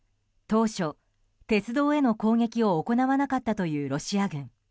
当初、鉄道への攻撃を行わなかったというロシア軍。